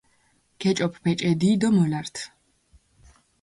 გეჭოფჷ ბეჭედი დო მოლართჷ.